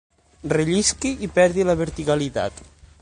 Rellisqui i perdi la verticalitat.